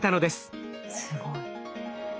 すごい。